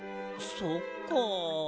そっか。